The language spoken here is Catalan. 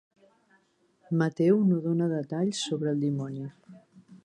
Mateu no dona detalls sobre el dimoni.